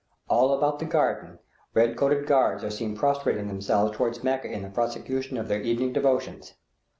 All about the garden red coated guards are seen prostrating themselves toward Mecca in the prosecution of their evening devotions.